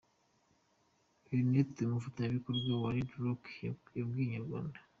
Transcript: Herniette umufatanyabikorwa wa Red Rocks yabwiye Inyarwanda.